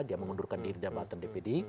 dia mengundurkan diri di dpr